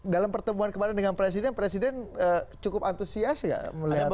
dalam pertemuan kemarin dengan presiden presiden cukup antusias ya melihatnya